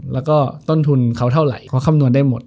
แล้วก็ต้นทุนเขาเท่าไหร่เขาคำนวณได้หมด